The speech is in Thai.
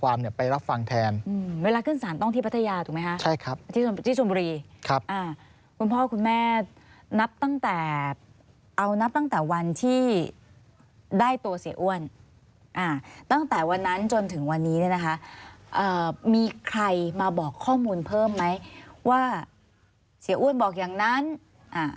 วันนี้เนี้ยนะคะเอ่อมีใครมาบอกข้อมูลเพิ่มไหมว่าเสียอ้วนบอกอย่างนั้นอ่า